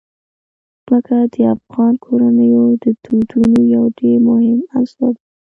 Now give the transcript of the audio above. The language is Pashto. ځمکه د افغان کورنیو د دودونو یو ډېر مهم عنصر دی.